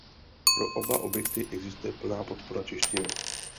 Pro oba projekty existuje plná podpora češtiny.